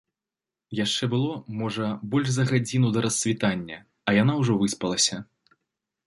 Яшчэ было, можа, больш за гадзіну да рассвітання, а яна ўжо выспалася.